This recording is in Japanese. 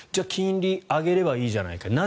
金利を上げればいいじゃないか。